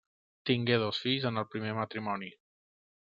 Tingué dos fills en el primer matrimoni.